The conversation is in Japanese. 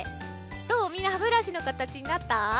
どうみんな歯ブラシのかたちになった？